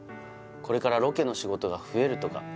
「これからロケの仕事が増えるとか」